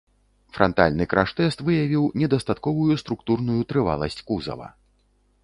Франтальны краш-тэст выявіў недастатковую структурную трываласць кузава.